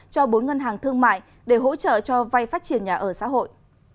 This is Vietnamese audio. cho bốn ngân hàng thương mại để hỗ trợ cho vay phát triển nhà ở xã hội